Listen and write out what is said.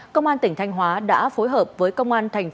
công an tp thanh hóa đã phối hợp với công an tp đồng xoài